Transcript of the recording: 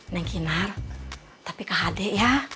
neng kinar tapi kehadir ya